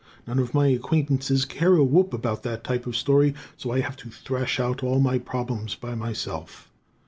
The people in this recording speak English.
None of my acquaintances care a whoop about that type of story, so I have to thrash out all my problems by myself.